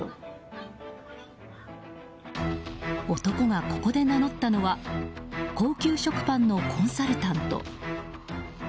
男がここで名乗ったのは高級食パンのコンサルタント。